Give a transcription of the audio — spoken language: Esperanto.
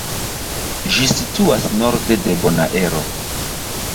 Ĝi situas norde de Bonaero.